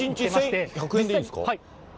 これ、１日１１００円でいいんですか？